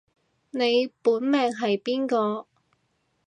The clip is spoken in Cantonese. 你本命係邊個